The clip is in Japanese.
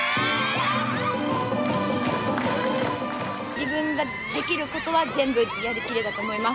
自分ができることは全部やりきれたと思います。